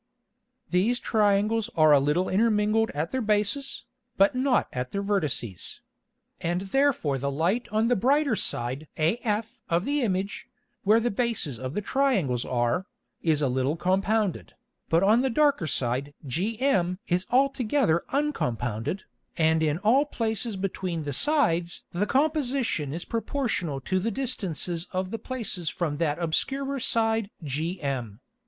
These Triangles are a little intermingled at their Bases, but not at their Vertices; and therefore the Light on the brighter Side af of the Image, where the Bases of the Triangles are, is a little compounded, but on the darker Side gm is altogether uncompounded, and in all Places between the Sides the Composition is proportional to the distances of the Places from that obscurer Side gm.